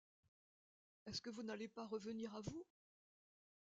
Est-ce que vous n’allez pas revenir à vous?